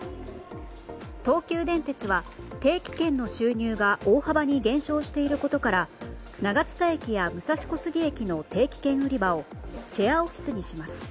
東急電鉄は定期券の収入が大幅に減少していることから長津田駅や武蔵小杉駅の定期券売り場をシェアオフィスにします。